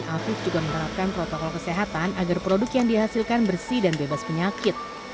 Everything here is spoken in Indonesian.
afif juga menerapkan protokol kesehatan agar produk yang dihasilkan bersih dan bebas penyakit